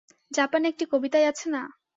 জাপানি একটি কবিতায় আছে না?